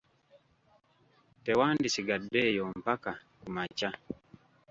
Tewandisigadde eyo mpaka ku makya!